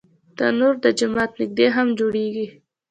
تنور د جومات نږدې هم جوړېږي